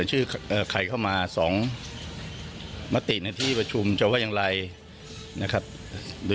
ชื่อใครเข้ามาสองมติในที่ประชุมจะว่าอย่างไรนะครับโดย